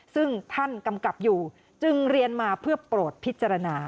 ซึ่งท่านกำกับอยู่จึงเรียนมาเพื่อโปรดพิจารณา